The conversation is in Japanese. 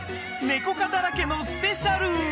ネコ科だらけのスペシャル